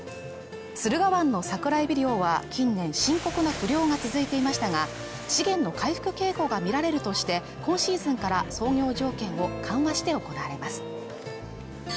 駿河湾のサクラエビ漁は近年深刻な不漁が続いていましたが資源の回復傾向が見られるとして今シーズンから操業条件を緩和して行われます